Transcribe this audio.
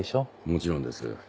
もちろんです。